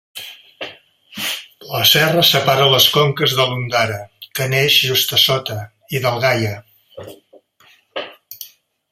La serra separa les conques de l'Ondara, que neix just a sota, i del Gaia.